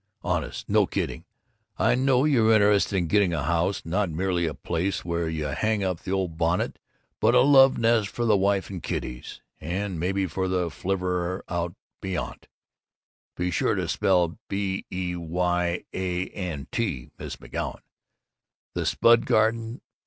Honest! No kidding! I know you're interested in getting a house, not merely a place where you hang up the old bonnet but a love nest for the wife and kiddies and maybe for the flivver out beyant (be sure and spell that b e y a n t, Miss McGoun) the spud garden.